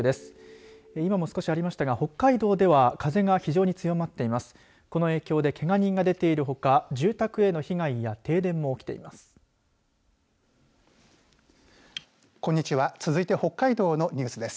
この影響でけが人が出ているほか住宅への被害や停電も起きています。